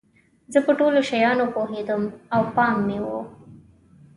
زه په ټولو شیانو پوهیدم او پام مې و.